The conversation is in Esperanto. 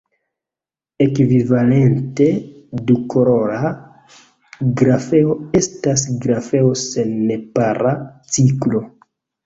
Ekvivalente, dukolora grafeo estas grafeo sen nepara ciklo.